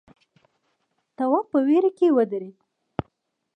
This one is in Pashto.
تواب په وېره کې ودرېد.